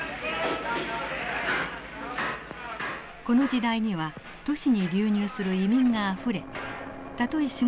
この時代には都市に流入する移民があふれたとえ